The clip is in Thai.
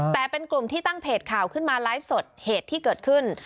แต่เป็นกลุ่มที่ตั้งเพจข่าวขึ้นมาไลฟ์สดเหตุที่เกิดขึ้น